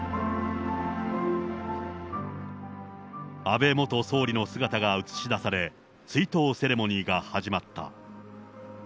安倍元総理の姿が映し出され、追悼セレモニーが始まった。